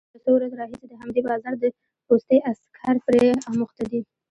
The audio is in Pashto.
خو له څو ورځو راهيسې د همدې بازار د پوستې عسکر پرې اموخته دي،